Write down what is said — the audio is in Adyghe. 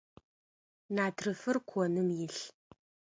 Натрыфыр коным илъ.